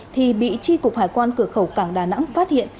thì bị tri cục hải quan cửa khẩu cảng đà nẵng phát hiện